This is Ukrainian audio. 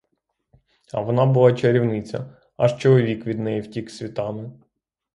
А вона була чарівниця, аж чоловік від неї втік світами.